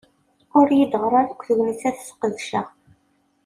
Ur yi-d-teɣli ara yakk tegnit ad t-ssqedceɣ.